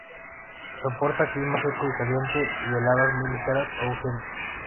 Soporta clima seco y caliente y heladas muy ligeras o ausentes.